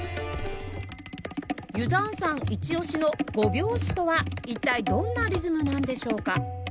Ｕ−ｚｈａａｎ さんイチオシの５拍子とは一体どんなリズムなんでしょうか？